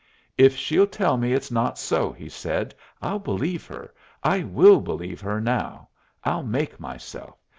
"If she'll tell me it's not so," he said, "I'll believe her. I will believe her now. I'll make myself.